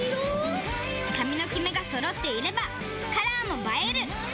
髪のキメがそろっていればカラーも映える！